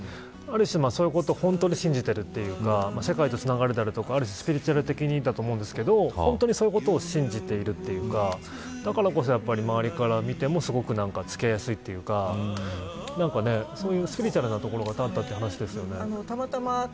ある種、そういうことを本当に信じているというか、世界でつながるだったりとかスピリチュアル的だと思うんですけどそういうことを信じているというかだからこそ周りから見ても付き合いやすいというかそういうスピリチュアルなところがあったという話ですよね。